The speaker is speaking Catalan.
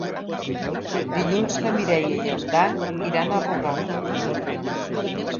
Dilluns na Mireia i en Dan iran a Rugat.